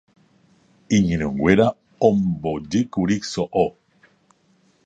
iñirũnguéra ombojýkuri so'o